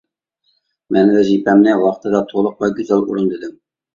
مەن ۋەزىپەمنى ۋاقتىدا، تولۇق ۋە گۈزەل ئورۇندىدىم.